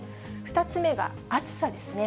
２つ目が暑さですね。